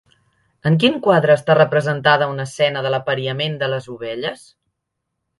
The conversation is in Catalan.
En quin quadre està representada una escena de l'apariament de les ovelles?